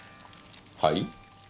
はい？